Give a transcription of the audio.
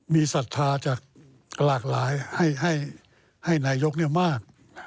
มีศรัทธาจากหลากหลายให้นายกมาก